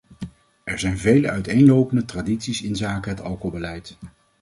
Er zijn vele uiteenlopende tradities inzake het alcoholbeleid.